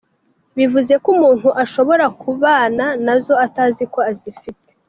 Bivuze ko umuntu ashobora kubana na zo atazi ko azifite.